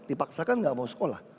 dipaksakan tidak mau sekolah